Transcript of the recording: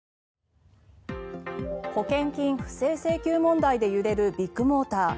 保険金不正請求問題で揺れるビッグモーター。